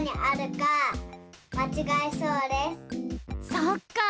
そっか。